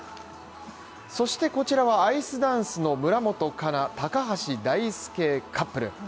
そしてこちらはアイスダンスの村元哉中、高橋大輔カップル。